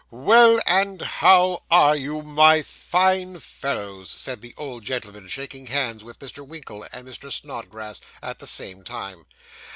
'Well, and how are you, my fine fellows?' said the old gentleman, shaking hands with Mr. Winkle and Mr. Snodgrass at the same time.